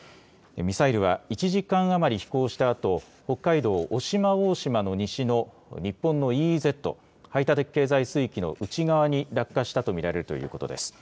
ミサイルは１時間余り飛行したあと、北海道渡島大島の西の日本のＥＥＺ・排他的経済水域の内側に落下したと見られるということです。